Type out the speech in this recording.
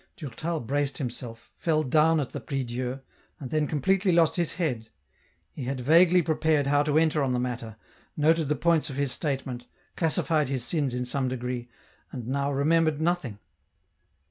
Durtal braced himself, fell down at the prie Dieu, and then completely lost his head. He had vaguely prepared how to enter on the matter, noted the points of his state ment, classified his sins in some degree, and now re membered nothing.